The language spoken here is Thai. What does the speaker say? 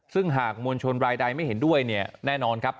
ซึ่งหากมวลชนรายใดไม่เห็นด้วยเนี่ยแน่นอนครับ